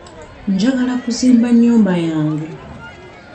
Njagala kuzimba nnyumba yange.